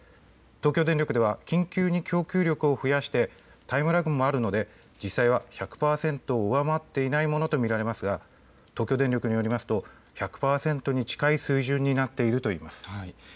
東京電力では緊急に供給力を増やしてタイムラグもあるので実際は１００％を上回っていないものと見られますが東京電力によりますと１００％に近い水準になっているといいます。